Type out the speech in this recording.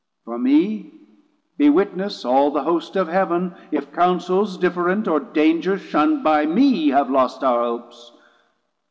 For me, be witness all the Host of Heav'n, If counsels different, or danger shun'd By me, have lost our hopes.